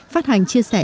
phát hành chia sẻ